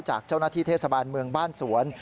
จากเจ้าหน้าที่เทศบาลเมืองบ้านสวน